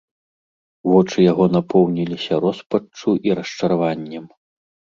Вочы яго напоўніліся роспаччу і расчараваннем.